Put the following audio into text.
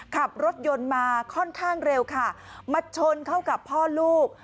ขับรถยนต์มาค่อนข้างเร็วค่ะมาชนเข้ากับพ่อลูก